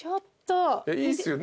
いいっすよね？